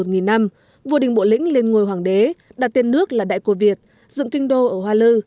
trong năm vua đình bộ lĩnh lên ngôi hoàng đế đặt tên nước là đại cô việt dựng kinh đô ở hoa lư